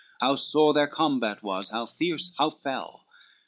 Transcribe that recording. How sore their combat was? how fierce, how fell?